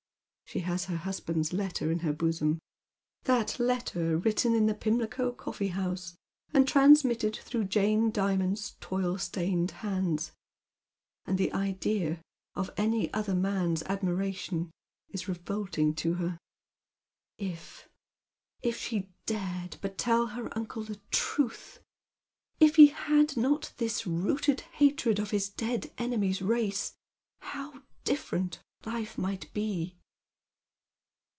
She has her husband's letter in her bosom — that letter written in the Pimlico coffee house, and transmitted through Jane I )iinond's toil stained hands, — and the idea of any other man's nihniration is revolting to her. If — if she dared but tell her uncle the truth ! If he had not this rooted hatred of his dead enemy's race, how different life might be